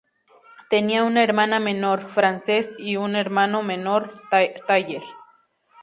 Tenía una hermana menor, Frances, y un hermano menor, Thayer.